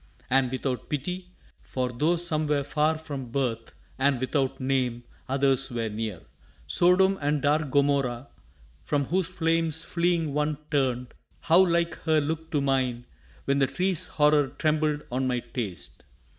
And without pity! for tho' some were far From birth, and without name, others were near Sodom and dark Gomorrah from whose flames Fleeing one turned ... how like her look to mine When the tree's horror trembled on my taste!